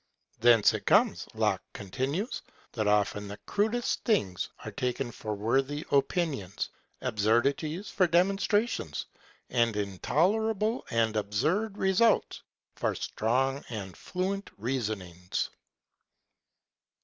Thence it comes, Locke continues, that often the crudest things are taken for worthy opinions, absurdities for demonstrations, and intolerable and absurd results for strong and fluent reason ings.